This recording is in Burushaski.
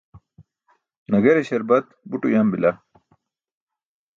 nagare śarbat but uyam bila